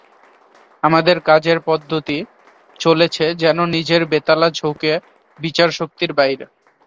আমাদের কাজের পদ্ধতি চলেছে যেন নিজের বেতালা ঝোঁকে বিচারশক্তির বাইরে।